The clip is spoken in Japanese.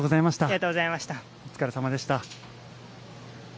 お疲れさまでした。